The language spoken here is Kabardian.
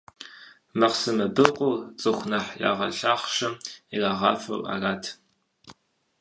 Махъсымэ быркъур нэхъ цӀыху ягъэлъахъшэм ирагъафэу арат.